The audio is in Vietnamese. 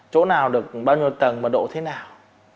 chỗ nào được bao nhiêu tầng mật độ thế nào